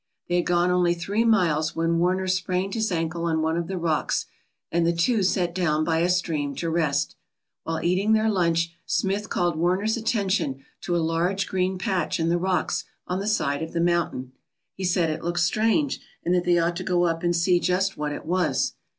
They had gone only three miles when Warner sprained his ankle on one of the rocks, and the two sat down by a stream to rest. While eating their lunch, Smith called Warner's attention to a large green patch in the rocks on the side of the mountain. He said it looked strange and that they ought to go up and see just what it was.